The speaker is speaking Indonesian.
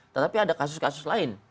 tetapi ada kasus kasus lain